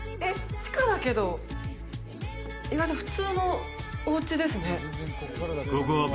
地下だけど意外と普通のお家ですね